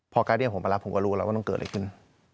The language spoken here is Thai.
พอการเรียกผมมารับผมก็รู้แล้วว่ามันเกิดอะไรขึ้น